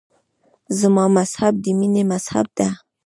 زما مذهب د مینې مذهب دی.